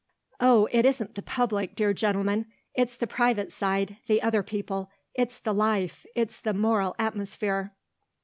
"Oh it isn't the public, dear gentlemen. It's the private side, the other people it's the life, it's the moral atmosphere."